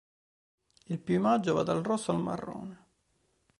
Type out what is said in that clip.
Il piumaggio va dal rosso al marrone.